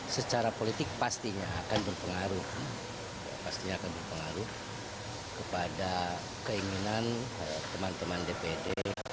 secara politik pastinya akan berpengaruh kepada keinginan teman teman dpd